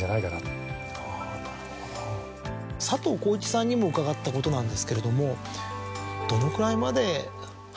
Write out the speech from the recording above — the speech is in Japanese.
佐藤浩市さんにも伺ったことなんですけれども。